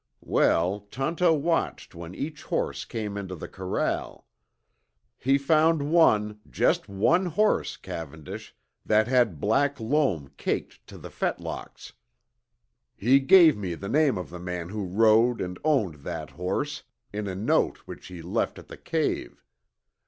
Well, Tonto watched when each horse came into the corral. He found one, just one horse, Cavendish, that had black loam caked to the fetlocks. He gave me the name of the man who rode and owned that horse, in a note which he left at the cave.